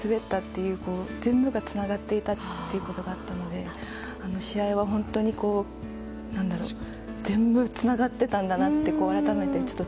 その全部がつながっていたというのがあったので、試合は全部つながってたんだなって